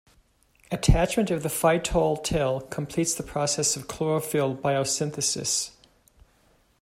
Attachment of the phytol tail completes the process of chlorophyll biosynthesis.